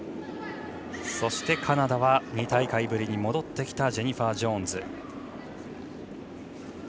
そしてカナダは２大会ぶりに戻ってきたジェニファー・ジョーンズ。